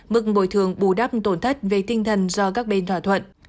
mức bồi thường bù đắp tổn thất về tinh thần do các bên thỏa thuận